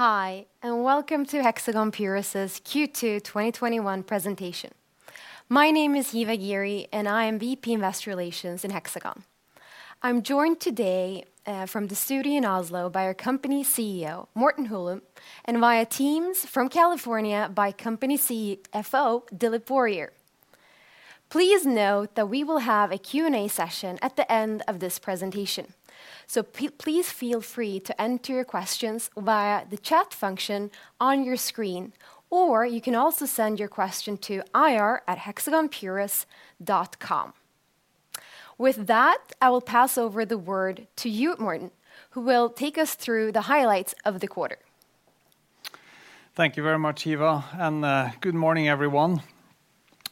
Welcome to Hexagon Purus' Q2 2021 presentation. My name is Hiva Ghiri, and I am VP Investor Relations in Hexagon. I'm joined today from the studio in Oslo by our company CEO, Morten Holum, and via Teams from California by company CFO, Dilip Warrier. Please note that we will have a Q&A session at the end of this presentation. Please feel free to enter your questions via the chat function on your screen, or you can also send your question to ir@hexagonpurus.com. With that, I will pass over the word to you, Morten, who will take us through the highlights of the quarter. Thank you very much, Hiva, and good morning, everyone.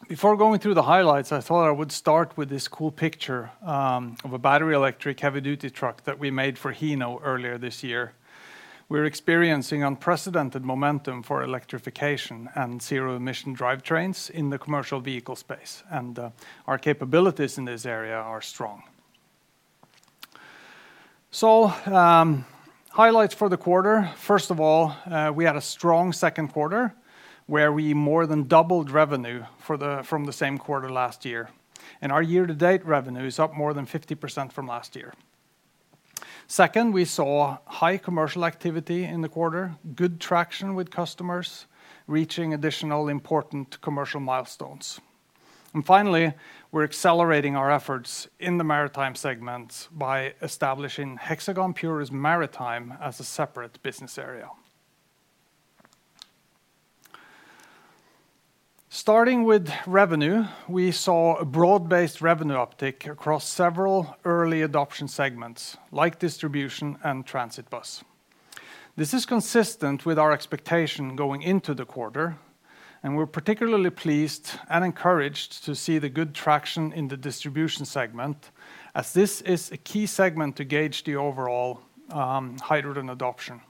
Before going through the highlights, I thought I would start with this cool picture of a battery electric heavy-duty truck that we made for Hino earlier this year. We're experiencing unprecedented momentum for electrification and zero emission drivetrains in the commercial vehicle space, and our capabilities in this area are strong. Highlights for the quarter. First of all, we had a strong second quarter where we more than doubled revenue from the same quarter last year. Our year-to-date revenue is up more than 50% from last year. Second, we saw high commercial activity in the quarter, good traction with customers, reaching additional important commercial milestones. Finally, we're accelerating our efforts in the maritime segment by establishing Hexagon Purus Maritime as a separate business area. Starting with revenue, we saw a broad-based revenue uptick across several early adoption segments like distribution and transit bus. This is consistent with our expectation going into the quarter, and we're particularly pleased and encouraged to see the good traction in the distribution segment as this is a key segment to gauge the overall hydrogen adoption.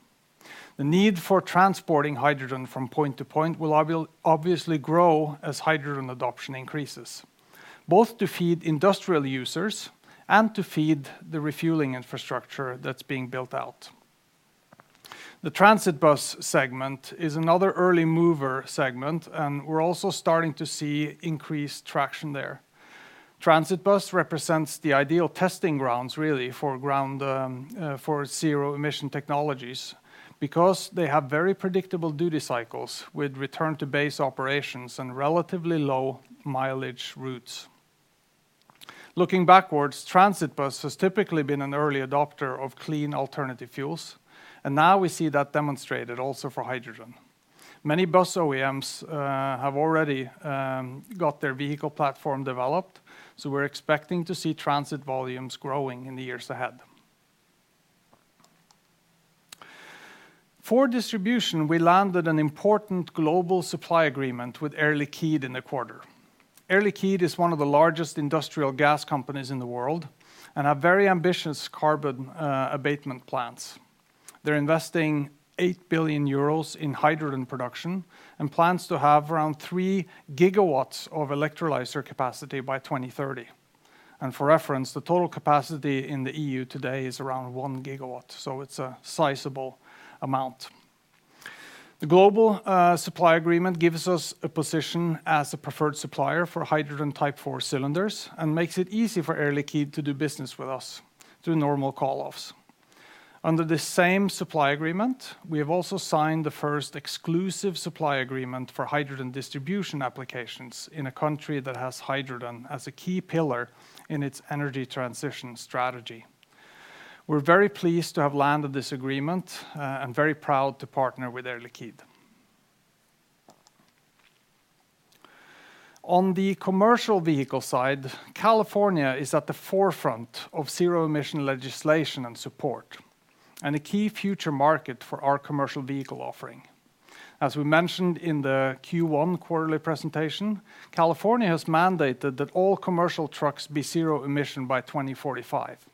The need for transporting hydrogen from point to point will obviously grow as hydrogen adoption increases, both to feed industrial users and to feed the refueling infrastructure that's being built out. The transit bus segment is another early mover segment, and we're also starting to see increased traction there. Transit bus represents the ideal testing grounds really for zero emission technologies because they have very predictable duty cycles with return to base operations and relatively low mileage routes. Looking backwards, transit bus has typically been an early adopter of clean alternative fuels. Now we see that demonstrated also for hydrogen. Many bus OEMs have already got their vehicle platform developed. We're expecting to see transit volumes growing in the years ahead. For distribution, we landed an important global supply agreement with Air Liquide in the quarter. Air Liquide is one of the largest industrial gas companies in the world. They have very ambitious carbon abatement plans. They're investing 8 billion euros in hydrogen production. Plans to have around 3 gigawatts of electrolyzer capacity by 2030. For reference, the total capacity in the EU today is around 1 gigawatt. It's a sizable amount. The global supply agreement gives us a position as a preferred supplier for hydrogen Type 4 cylinders and makes it easy for Air Liquide to do business with us through normal call-offs. Under the same supply agreement, we have also signed the first exclusive supply agreement for hydrogen distribution applications in a country that has hydrogen as a key pillar in its energy transition strategy. We're very pleased to have landed this agreement, and very proud to partner with Air Liquide. On the commercial vehicle side, California is at the forefront of zero emission legislation and support, and a key future market for our commercial vehicle offering. As we mentioned in the Q1 quarterly presentation, California has mandated that all commercial trucks be zero emission by 2045.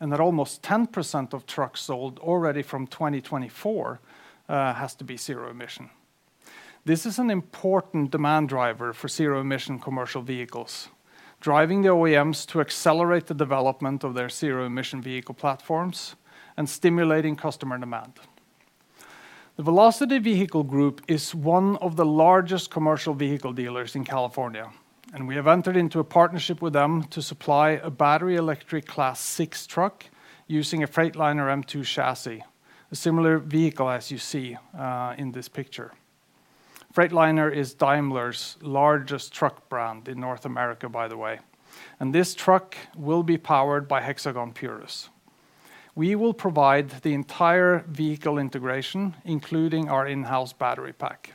That almost 10% of trucks sold already from 2024 has to be zero emission. This is an important demand driver for zero emission commercial vehicles, driving the OEMs to accelerate the development of their zero emission vehicle platforms and stimulating customer demand. The Velocity Vehicle Group is one of the largest commercial vehicle dealers in California, and we have entered into a partnership with them to supply a battery electric Class 6 truck using a Freightliner M2 chassis, a similar vehicle as you see in this picture. Freightliner is Daimler's largest truck brand in North America, by the way, and this truck will be powered by Hexagon Purus. We will provide the entire vehicle integration, including our in-house battery pack.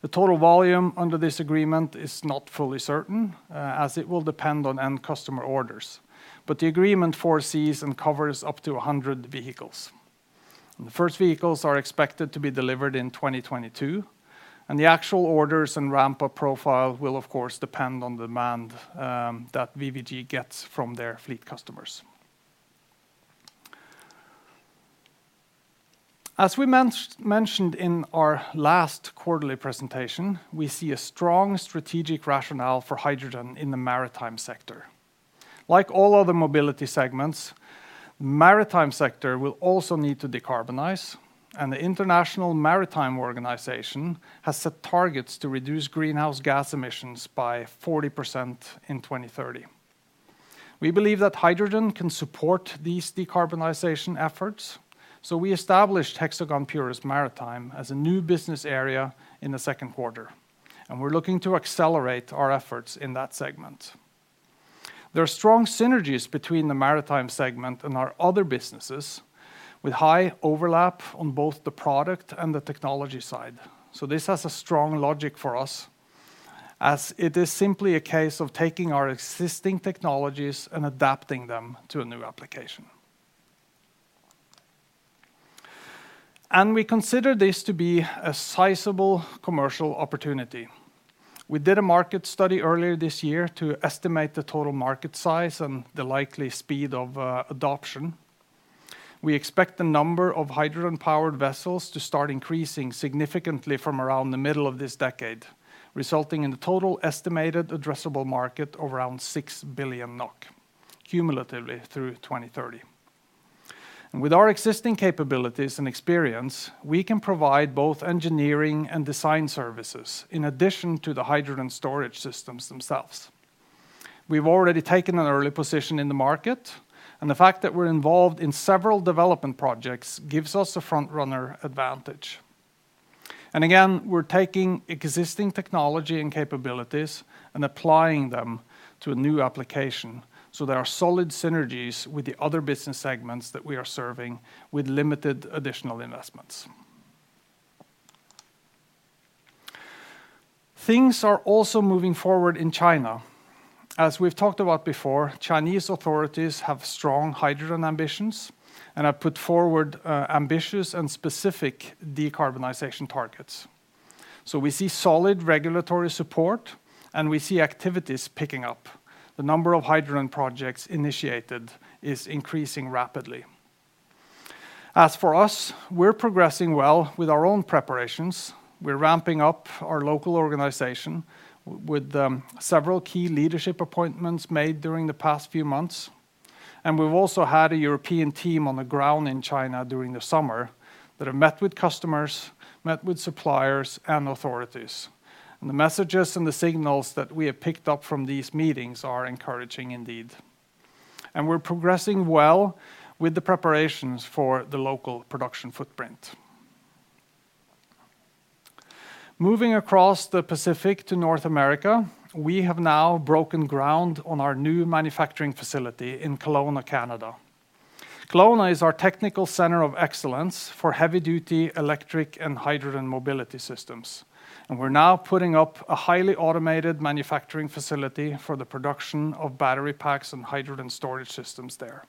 The total volume under this agreement is not fully certain, as it will depend on end customer orders, but the agreement foresees and covers up to 100 vehicles. The first vehicles are expected to be delivered in 2022, and the actual orders and ramp-up profile will of course depend on demand that VVG gets from their fleet customers. As we mentioned in our last quarterly presentation, we see a strong strategic rationale for hydrogen in the maritime sector like all other mobility segments, maritime sector will also need to decarbonize, and the International Maritime Organization has set targets to reduce greenhouse gas emissions by 40% in 2030. We believe that hydrogen can support these decarbonization efforts, so we established Hexagon Purus Maritime as a new business area in the second quarter. We're looking to accelerate our efforts in that segment. There are strong synergies between the maritime segment and our other businesses, with high overlap on both the product and the technology side. This has a strong logic for us, as it is simply a case of taking our existing technologies and adapting them to a new application. We consider this to be a sizable commercial opportunity. We did a market study earlier this year to estimate the total market size and the likely speed of adoption. We expect the number of hydrogen-powered vessels to start increasing significantly from around the middle of this decade, resulting in the total estimated addressable market of around 6 billion NOK cumulatively through 2030. With our existing capabilities and experience, we can provide both engineering and design services in addition to the hydrogen storage systems themselves. We've already taken an early position in the market, and the fact that we're involved in several development projects gives us a front-runner advantage. Again, we're taking existing technology and capabilities and applying them to a new application. There are solid synergies with the other business segments that we are serving with limited additional investments. Things are also moving forward in China. As we've talked about before, Chinese authorities have strong hydrogen ambitions and have put forward ambitious and specific decarbonization targets. We see solid regulatory support, and we see activities picking up. The number of hydrogen projects initiated is increasing rapidly. As for us, we're progressing well with our own preparations. We're ramping up our local organization with several key leadership appointments made during the past few months, and we've also had a European team on the ground in China during the summer that have met with customers, met with suppliers, and authorities. The messages and the signals that we have picked up from these meetings are encouraging indeed. We're progressing well with the preparations for the local production footprint. Moving across the Pacific to North America, we have now broken ground on our new manufacturing facility in Kelowna, Canada. Kelowna is our technical center of excellence for heavy-duty electric and hydrogen mobility systems. We're now putting up a highly automated manufacturing facility for the production of battery packs and hydrogen storage systems there.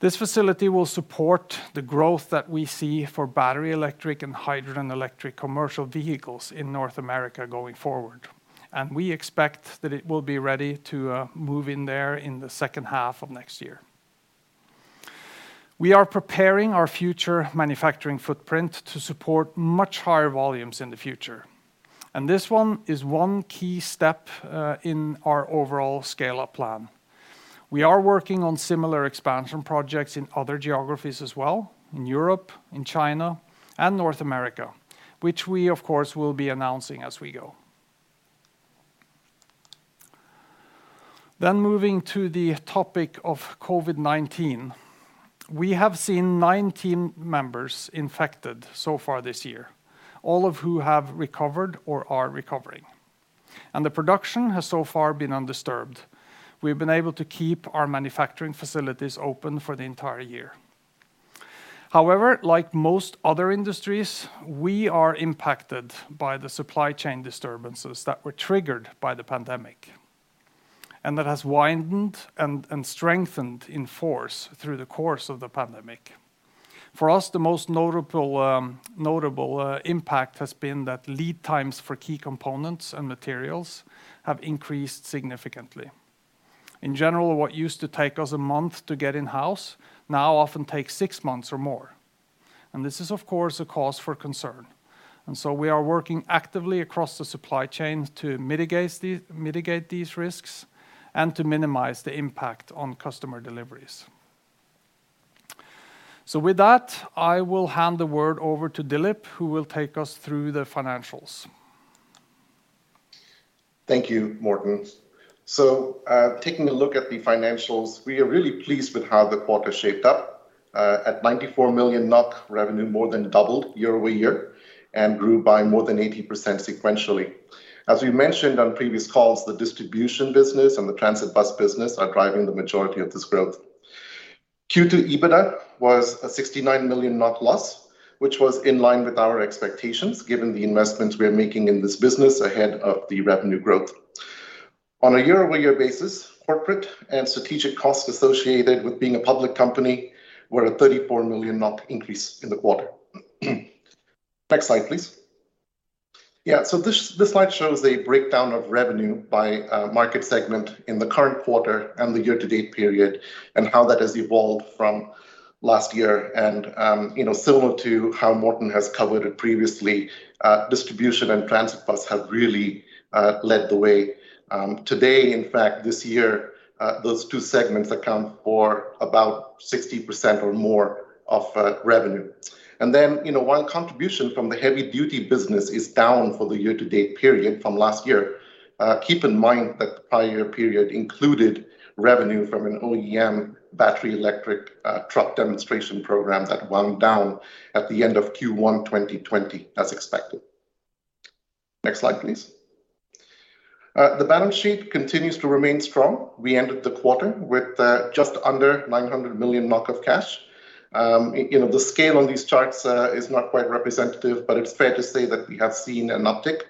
This facility will support the growth that we see for battery electric and hydrogen electric commercial vehicles in North America going forward. We expect that it will be ready to move in there in the second half of next year. We are preparing our future manufacturing footprint to support much higher volumes in the future. This one is one key step in our overall scale-up plan. We are working on similar expansion projects in other geographies as well, in Europe, in China, and North America, which we of course, will be announcing as we go. Moving to the topic of COVID-19. We have seen nine team members infected so far this year, all of who have recovered or are recovering. The production has so far been undisturbed. We've been able to keep our manufacturing facilities open for the entire year. However, like most other industries, we are impacted by the supply chain disturbances that were triggered by the pandemic, and that has widened and strengthened in force through the course of the pandemic. For us, the most notable impact has been that lead times for key components and materials have increased significantly. In general, what used to take us a month to get in-house now often takes six months or more. This is, of course, a cause for concern. We are working actively across the supply chain to mitigate these risks and to minimize the impact on customer deliveries. With that, I will hand the word over to Dilip, who will take us through the financials. Thank you, Morten. Taking a look at the financials, we are really pleased with how the quarter shaped up. At 94 million revenue more than doubled year-over-year and grew by more than 80% sequentially. As we mentioned on previous calls, the distribution business and the transit bus business are driving the majority of this growth. Q2 EBITDA was a 69 million loss, which was in line with our expectations given the investments we are making in this business ahead of the revenue growth. On a year-over-year basis, corporate and strategic costs associated with being a public company were a 34 million increase in the quarter. Next slide, please. This slide shows a breakdown of revenue by market segment in the current quarter and the year-to-date period, and how that has evolved from last year. Similar to how Morten has covered it previously, distribution and transit bus have really led the way. Today, in fact, this year, those two segments account for about 60% or more of revenue. While contribution from the heavy-duty business is down for the year-to-date period from last year, keep in mind that the prior year period included revenue from an OEM battery electric truck demonstration program that wound down at the end of Q1 2020 as expected. Next slide, please. The balance sheet continues to remain strong. We ended the quarter with just under 900 million NOK of cash. The scale on these charts is not quite representative, but it's fair to say that we have seen an uptick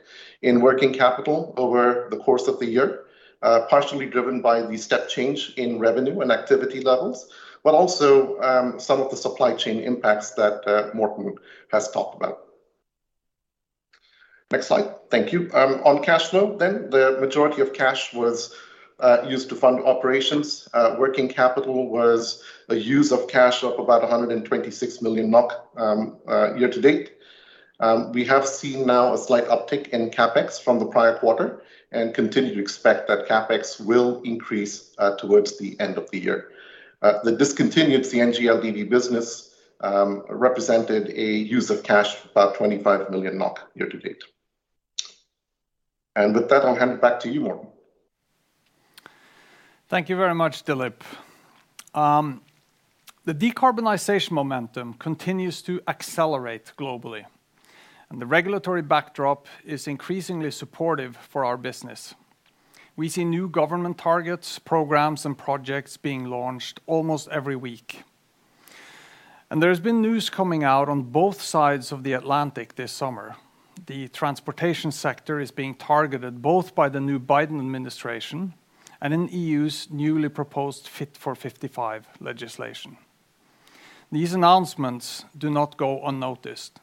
in working capital over the course of the year. Partially driven by the step change in revenue and activity levels, but also some of the supply chain impacts that Morten has talked about. Next slide. Thank you. On cash flow then, the majority of cash was used to fund operations. Working capital was a use of cash of about 126 million year to date. We have seen now a slight uptick in CapEx from the prior quarter and continue to expect that CapEx will increase towards the end of the year. The discontinued CNG, LDV business represented a use of cash of about 25 million NOK year to date. With that, I'll hand it back to you, Morten. Thank you very much, Dilip. The decarbonization momentum continues to accelerate globally, and the regulatory backdrop is increasingly supportive for our business. We see new government targets, programs, and projects being launched almost every week. There has been news coming out on both sides of the Atlantic this summer. The transportation sector is being targeted both by the new Biden administration and in EU's newly proposed Fit for 55 legislation. These announcements do not go unnoticed.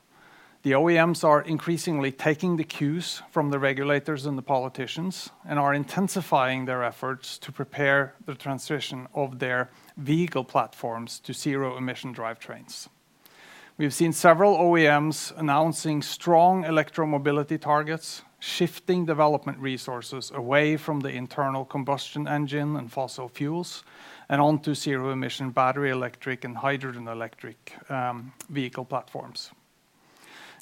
The OEMs are increasingly taking the cues from the regulators and the politicians and are intensifying their efforts to prepare the transition of their vehicle platforms to zero-emission drivetrains. We've seen several OEMs announcing strong electromobility targets, shifting development resources away from the internal combustion engine and fossil fuels, and onto zero-emission battery electric and hydrogen electric vehicle platforms.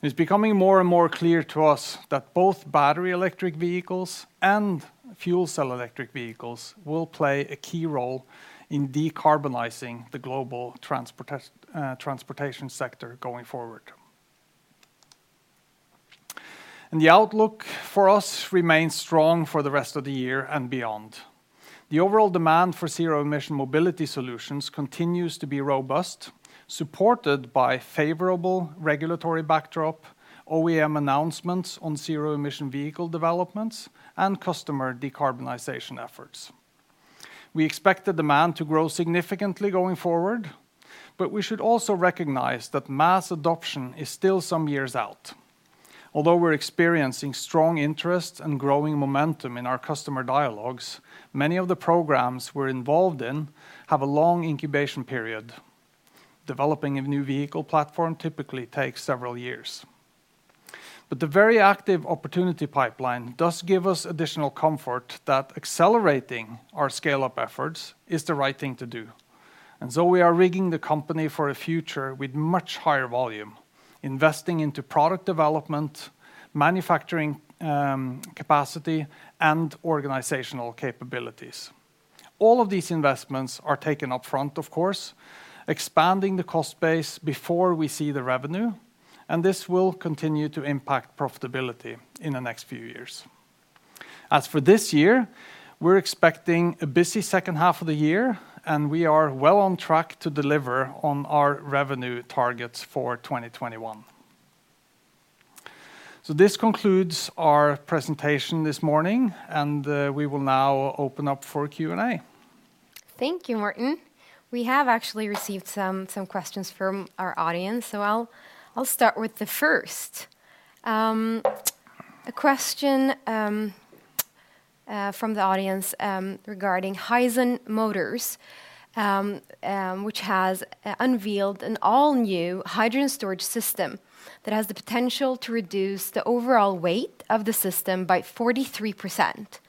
It's becoming more and more clear to us that both battery electric vehicles and fuel cell electric vehicles will play a key role in decarbonizing the global transportation sector going forward. The outlook for us remains strong for the rest of the year and beyond. The overall demand for zero-emission mobility solutions continues to be robust, supported by favorable regulatory backdrop, OEM announcements on zero-emission vehicle developments, and customer decarbonization efforts. We expect the demand to grow significantly going forward, but we should also recognize that mass adoption is still some years out. Although we're experiencing strong interest and growing momentum in our customer dialogues, many of the programs we're involved in have a long incubation period. Developing a new vehicle platform typically takes several years. The very active opportunity pipeline does give us additional comfort that accelerating our scale-up efforts is the right thing to do. We are rigging the company for a future with much higher volume, investing into product development, manufacturing capacity, and organizational capabilities. All of these investments are taken up front, of course, expanding the cost base before we see the revenue, and this will continue to impact profitability in the next few years. As for this year, we're expecting a busy second half of the year, and we are well on track to deliver on our revenue targets for 2021. This concludes our presentation this morning, and we will now open up for Q&A. Thank you, Morten. We have actually received some questions from our audience, so I'll start with the first. A question from the audience regarding Hyzon Motors, which has unveiled an all-new hydrogen storage system that has the potential to reduce the overall weight of the system by 43%,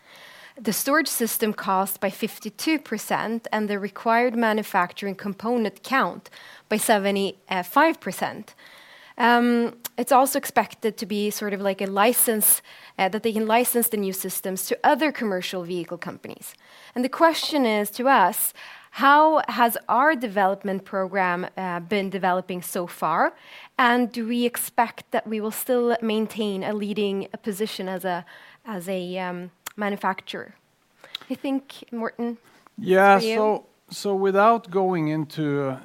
the storage system cost by 52%, and the required manufacturing component count by 75%. It's also expected that they can license the new systems to other commercial vehicle companies. The question is to us, how has our development program been developing so far, and do we expect that we will still maintain a leading position as a manufacturer? I think, Morten, to you. Without going into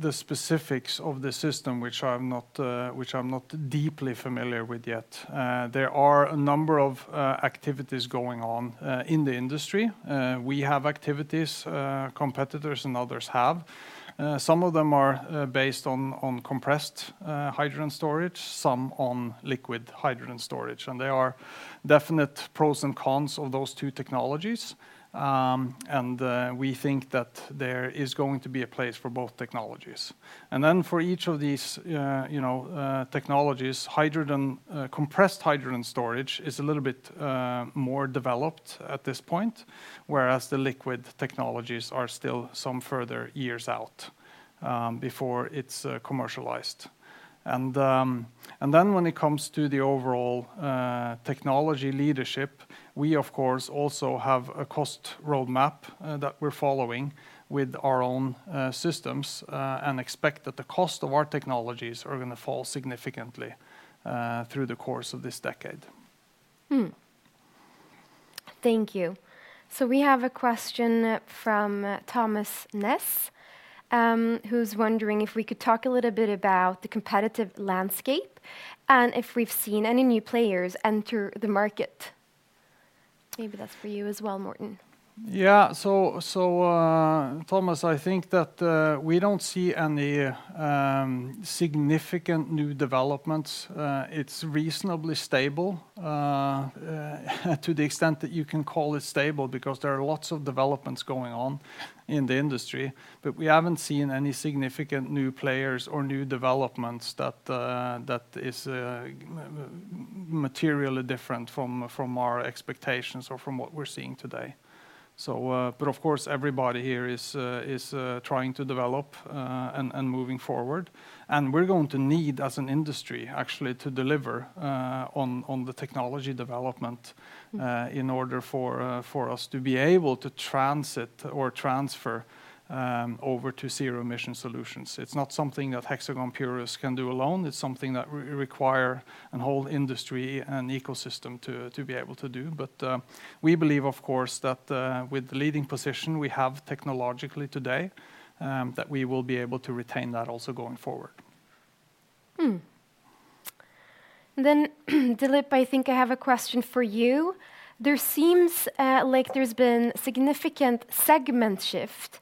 the specifics of the system, which I am not deeply familiar with yet, there are a number of activities going on in the industry. We have activities, competitors and others have. Some of them are based on compressed hydrogen storage, some on liquid hydrogen storage, there are definite pros and cons of those two technologies. We think that there is going to be a place for both technologies. For each of these technologies, compressed hydrogen storage is a little bit more developed at this point, whereas the liquid technologies are still some further years out before it is commercialized. When it comes to the overall technology leadership, we of course also have a cost roadmap that we are following with our own systems and expect that the cost of our technologies are going to fall significantly through the course of this decade. Thank you. We have a question from Thomas Ness, who's wondering if we could talk a little bit about the competitive landscape and if we've seen any new players enter the market. Maybe that's for you as well, Morten. Yeah. Thomas, I think that we don't see any significant new developments. It's reasonably stable to the extent that you can call it stable because there are lots of developments going on in the industry. We haven't seen any significant new players or new developments that is materially different from our expectations or from what we're seeing today. Of course, everybody here is trying to develop and moving forward, and we're going to need, as an industry actually, to deliver on the technology development in order for us to be able to transit or transfer over to zero emission solutions. It's not something that Hexagon Purus can do alone. It's something that require a whole industry and ecosystem to be able to do. We believe, of course, that with the leading position we have technologically today, that we will be able to retain that also going forward. Dilip, I think I have a question for you. There seems like there's been significant segment shift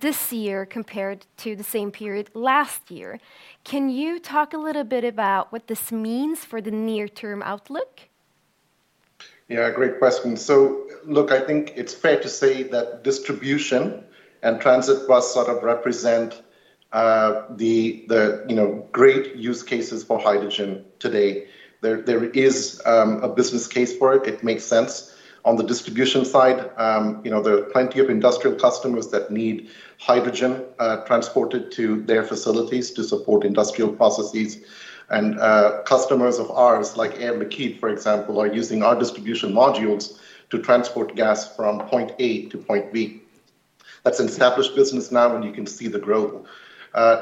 this year compared to the same period last year. Can you talk a little bit about what this means for the near-term outlook? Yeah, great question. Look, I think it's fair to say that distribution and transit bus sort of represent the great use cases for hydrogen today. There is a business case for it. It makes sense on the distribution side. There are plenty of industrial customers that need hydrogen transported to their facilities to support industrial processes. Customers of ours, like Air Liquide, for example, are using our distribution modules to transport gas from point A to point B. That's an established business now, and you can see the growth.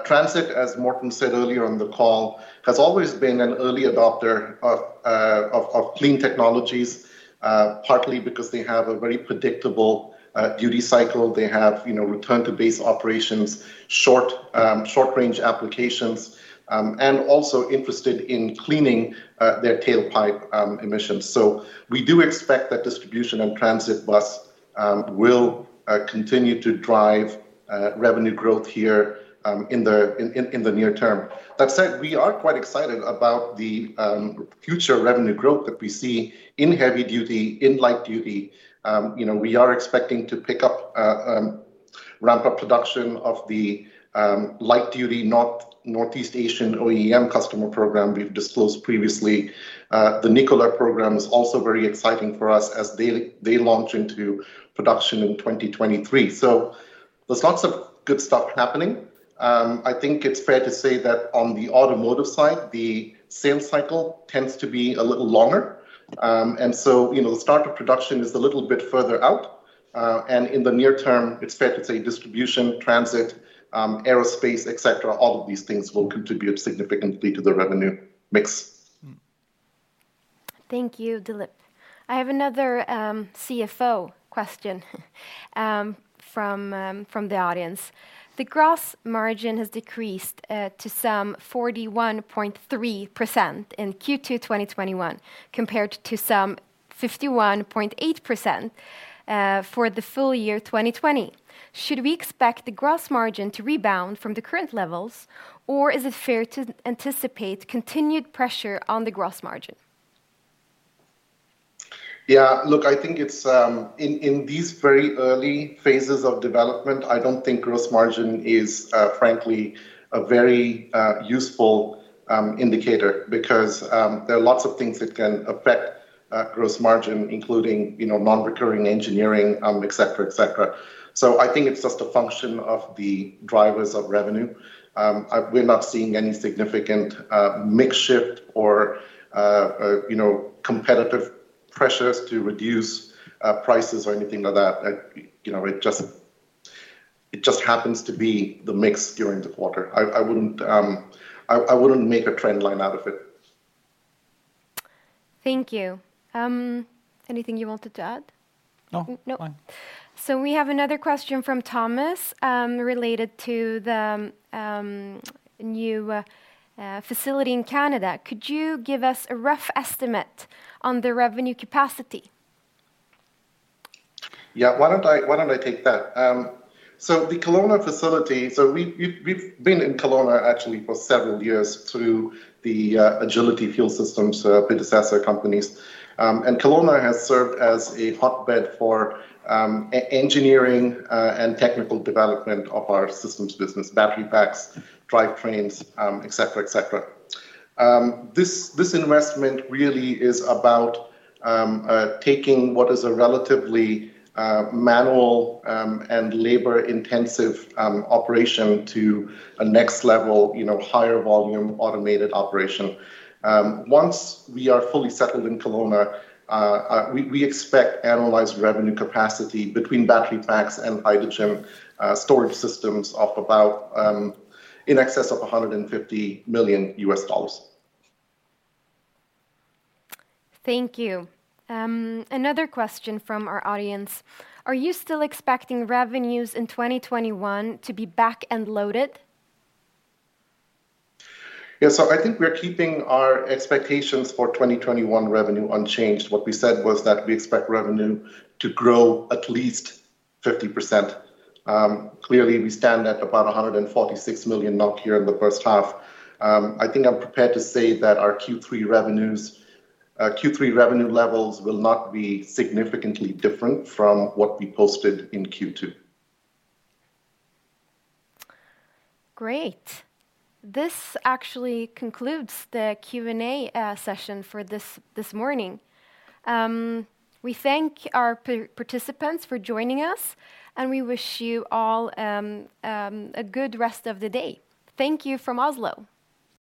Transit, as Morten said earlier on the call, has always been an early adopter of clean technologies, partly because they have a very predictable duty cycle. They have return to base operations, short range applications, and also interested in cleaning their tailpipe emissions. We do expect that distribution and transit bus will continue to drive revenue growth here in the near term. That said, we are quite excited about the future revenue growth that we see in heavy duty, in light duty. We are expecting to ramp up production of the light duty North East Asian OEM customer program we've disclosed previously. The Nikola program is also very exciting for us as they launch into production in 2023. There's lots of good stuff happening. I think it's fair to say that on the automotive side, the sales cycle tends to be a little longer. The start of production is a little bit further out. In the near term, it's fair to say distribution, transit, aerospace, et cetera, all of these things will contribute significantly to the revenue mix. Thank you, Dilip. I have another CFO question from the audience. The gross margin has decreased to some 41.3% in Q2 2021 compared to some 51.8% for the full year 2020. Should we expect the gross margin to rebound from the current levels, or is it fair to anticipate continued pressure on the gross margin? Yeah, look, I think in these very early phases of development, I don't think gross margin is frankly a very useful indicator because there are lots of things that can affect gross margin, including non-recurring engineering, et cetera. I think it's just a function of the drivers of revenue. We're not seeing any significant mix shift or competitive pressures to reduce prices or anything like that. It just happens to be the mix during the quarter. I wouldn't make a trend line out of it. Thank you. Anything you wanted to add? No. No. We have another question from Thomas, related to the new facility in Canada. Could you give us a rough estimate on the revenue capacity? Yeah, why don't I take that? The Kelowna facility, so we've been in Kelowna actually for several years through the Agility Fuel Systems predecessor companies. Kelowna has served as a hotbed for engineering and technical development of our systems business, battery packs, drivetrains, et cetera. This investment really is about taking what is a relatively manual and labor-intensive operation to a next level, higher volume, automated operation. Once we are fully settled in Kelowna, we expect annualized revenue capacity between battery packs and hydrogen storage systems of about in excess of $150 million US dollars. Thank you. Another question from our audience. Are you still expecting revenues in 2021 to be back-end loaded? Yeah, I think we are keeping our expectations for 2021 revenue unchanged. What we said was that we expect revenue to grow at least 50%. Clearly, we stand at about 146 million NOK here in the first half. I think I'm prepared to say that our Q3 revenue levels will not be significantly different from what we posted in Q2. Great. This actually concludes the Q&A session for this morning. We thank our participants for joining us, and we wish you all a good rest of the day. Thank you from Oslo.